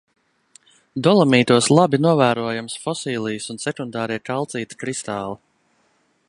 Dolomītos labi novērojamas fosilijas un sekundārie kalcīta kristāli.